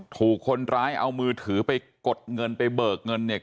ถูกคนร้ายเอามือถือไปกดเงินไปเบิกเงินเนี่ย